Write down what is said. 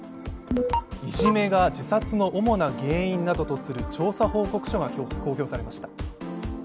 いじめが自殺の主な原因などとする調査報告書が公表されました。